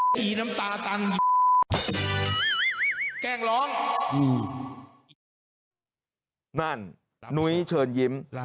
พี่ไทย